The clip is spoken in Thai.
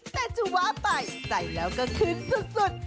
แต่จะว่าไปใส่แล้วก็ขึ้นสุด